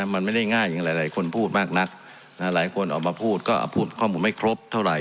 มันไม่ได้ง่ายอย่างหลายคนพูดมากนักหลายคนออกมาพูดก็พูดข้อมูลไม่ครบเท่าไหร